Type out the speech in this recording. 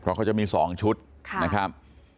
เพราะมีสองชุดนะครับ